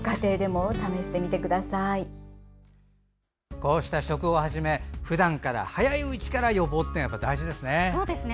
こうした食をはじめふだんから、早いうちから予防というのが大事ですね。